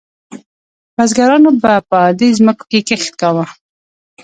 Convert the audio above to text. بزګرانو به په دې ځمکو کې کښت کاوه.